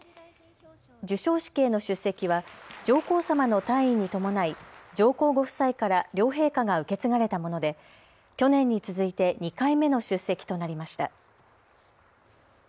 授賞式への出席は上皇さまの退位に伴い上皇ご夫妻から両陛下が受け継がれたもので去年に続いて２回目の出席となりました。